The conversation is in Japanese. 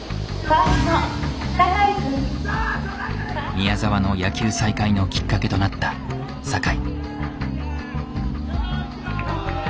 宮澤の野球再開のきっかけとなった酒井。